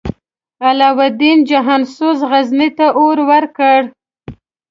علاوالدین جهان سوز، غزني ته اور ورکړ.